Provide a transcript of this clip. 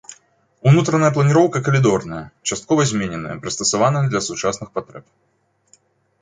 Унутраная планіроўка калідорная, часткова змененая, прыстасаваная для сучасных патрэб.